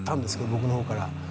僕のほうから。